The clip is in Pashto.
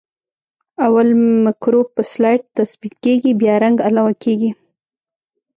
اول مکروب په سلایډ تثبیت کیږي بیا رنګ علاوه کیږي.